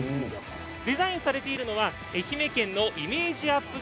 デザインされているのは愛媛県のイメージアップ